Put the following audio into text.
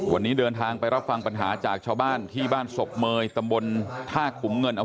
วันนี้เดินทางไปรับฟังปัญหาจากชาวบ้านที่บ้านศพเมยตำบลท่าขุมเงิน